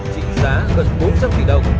trị giá gần bốn trăm linh tỷ đồng